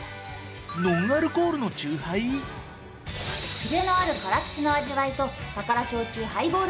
キレのある辛口の味わいとタカラ「焼酎ハイボール」